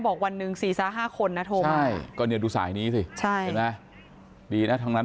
บอกวันนึง๔๕คนนะโทรมาก็ดูสายนี้สิใช่ดีนะทั้งนั้น